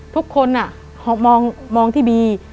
ทุกคนมองที่บี